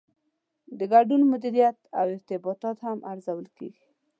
د ګډون مدیریت او ارتباطات هم ارزول کیږي.